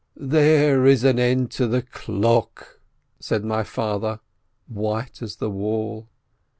"There is an end to the clock !" said my father, white as the wall.